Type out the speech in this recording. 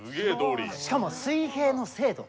しかも水平の精度。